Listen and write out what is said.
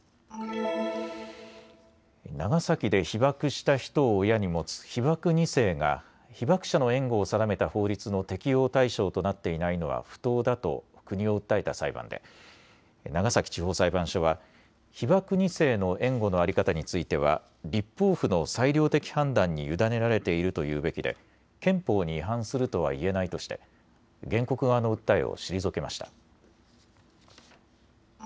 長崎で被爆した人を親に持つ被爆２世が被爆者の援護を定めた法律の適用対象となっていないのは不当だと国を訴えた裁判で長崎地方裁判所は被爆２世の援護の在り方については立法府の裁量的判断に委ねられているというべきで憲法に違反するとはいえないとして原告側の訴えを退けました。